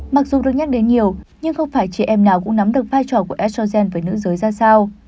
mặc dù được nhắc đến nhiều nhưng không phải trẻ em nào cũng nắm được vai trò của essels với nữ giới ra sao